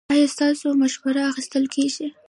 ایا ستاسو مشوره اخیستل کیږي؟